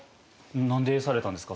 何でされたんですか？